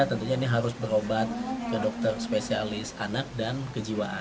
tentunya ini harus berobat ke dokter spesialis anak dan kejiwaan